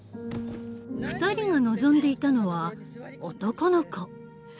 ２人が望んでいたのは男の子。